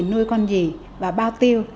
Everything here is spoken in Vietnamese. nuôi con gì và bao tiêu